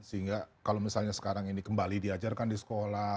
sehingga kalau misalnya sekarang ini kembali diajarkan di sekolah